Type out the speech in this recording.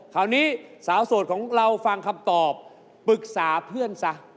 สาวโสดของเราฟังคำตอบปรึกษาเพื่อนซะ